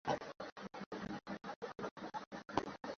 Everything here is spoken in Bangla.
এর মধ্যে সবচেয়ে বেশি জনগোষ্ঠী বাস করছে আফ্রিকায়।